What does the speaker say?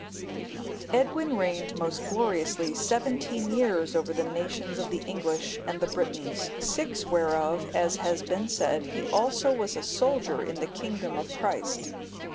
D.] Edwin reigned most gloriously seventeen years over the nations of the English and the Britons, six whereof, as has been said, he also was a soldier in the kingdom of Christ.